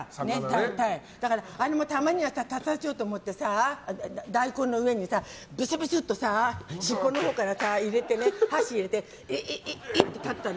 だから、あれもたまには立たせようと思ってさ大根の上にブスブスっと尻尾のほうから入れて箸入れて立てたの。